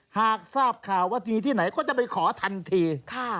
หากทราบข่าวว่ามีที่ไหนก็จะไปขอทันที